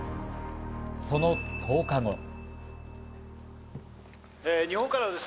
その１０日後。